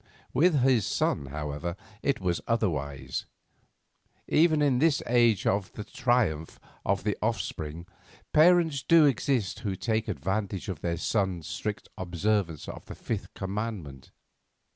With his son, however, it was otherwise. Even in this age of the Triumph of the Offspring parents do exist who take advantage of their sons' strict observance of the Fifth Commandment.